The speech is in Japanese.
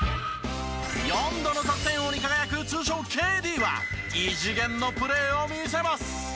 ４度の得点王に輝く通称ＫＤは異次元のプレーを見せます。